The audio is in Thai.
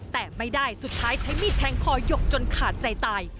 แต่ไม่ได้สุดท้ายใช้มีดแทงคอหยกจนขาดใจตาย